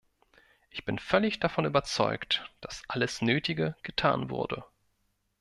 Ich bin völlig davon überzeugt, dass alles Nötige getan wurde.